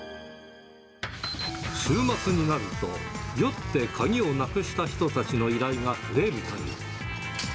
週末になると、酔って鍵をなくした人たちの依頼が増えるという。